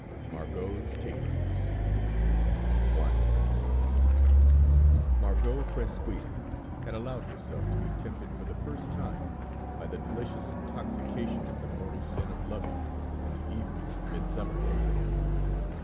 MARGOT'S TAPERS I Margot Fresquyl had allowed herself to be tempted for the first time by the delicious intoxication of the mortal sin of loving, on the evening of Midsummer Day.